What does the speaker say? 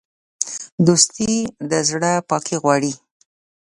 دوستي د زړه پاکي غواړي.